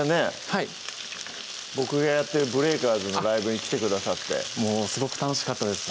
はい僕がやってるＢＲＥＡＫＥＲＺのライブに来てくださってもうすごく楽しかったです